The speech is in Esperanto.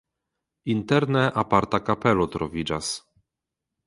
Interne aparta kapelo troviĝas.